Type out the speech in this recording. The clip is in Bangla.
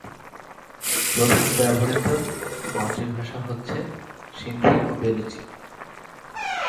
প্রধান ব্যবহৃত মাতৃভাষা হচ্ছে সিন্ধি ও বেলুচি।